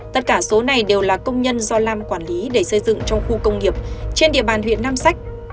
tất cả số này đều là công nhân do lam quản lý để xây dựng trong khu công nghiệp trên địa bàn huyện nam sách